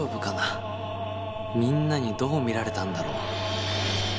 みんなにどう見られたんだろう？